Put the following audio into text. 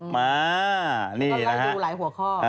มานี่นะครับ